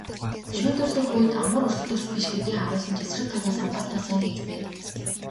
Шийдвэрлэх үед амар өрсөлдөгч биш гэдгээ харуулсан ч эсрэг талаас хамгаалалтаа сайн хийж байв.